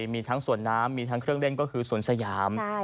มีทั้งสวนน้ำมีทั้งเครื่องเล่นก็คือสวนสยาม